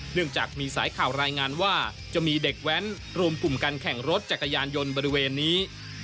เนื่องจากมีสายข่าวรายงานว่าจะมีเด็กแว้นรวมกลุ่มกันแข่งรถจักรยานยนต์บริเวณนี้